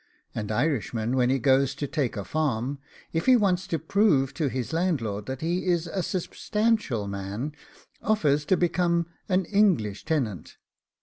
An Irishman, when he goes to take a farm, if he wants to prove to his landlord that he is a substantial man, offers to become an ENGLISH TENANT.